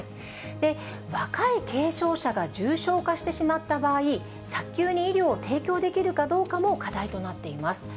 若い軽症者が重症化してしまった場合、早急に医療を提供できるかどうかも課題となっています。